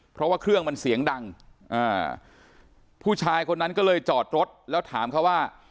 เพราะว่าเครื่องมันเสียงดังอ่าผู้ชายคนนั้นก็เลยจอดรถแล้วถามเขาว่า